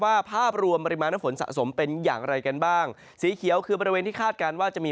ภาพรวมปริมาณน้ำฝนสะสมเป็นอย่างไรกันบ้างสีเขียวคือบริเวณที่คาดการณ์ว่าจะมี